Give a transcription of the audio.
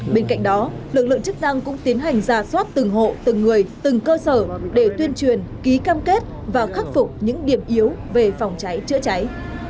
bên cạnh đó lực lượng chức năng cũng tiến hành ra soát từng hộ từng người từng cơ sở để tuyên truyền ký cam kết và khắc phục những điểm yếu về phòng cháy chữa cháy